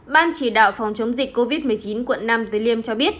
ban chỉ đạo phòng chống dịch covid một mươi chín quận năm tới liêm cho biết